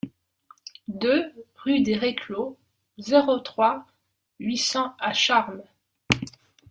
deux rue des Reclos, zéro trois, huit cents à Charmes